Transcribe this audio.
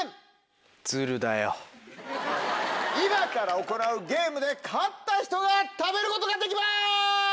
今から行うゲームで勝った人が食べることができます！